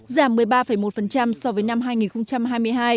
giảm một mươi ba một so với năm hai nghìn hai mươi hai